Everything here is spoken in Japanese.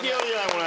これ。